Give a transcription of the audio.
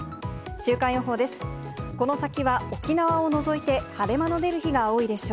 週間予報です。